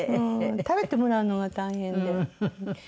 食べてもらうのが大変で。